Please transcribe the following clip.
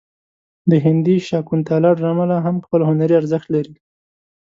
د هندي شاکونتالا ډرامه لا هم خپل هنري ارزښت لري.